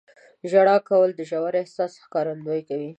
• ژړا کول د ژور احساس ښکارندویي کوي.